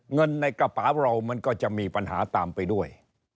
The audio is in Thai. เงินในกระเป๋าเรามันก็จะมีปัญหาตามไปด้วย